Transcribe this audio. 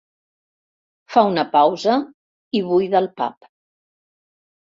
Fa una pausa i buida el pap—.